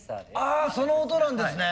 あその音なんですね。